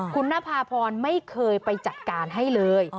คุณนภาพรไม่เคยไปจัดการให้เลย